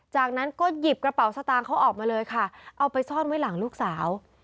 จากนั้นก็หยิบกระเป๋าสตางค์เขาออกมาเลยค่ะเอาไปซ่อนไว้หลังลูกสาว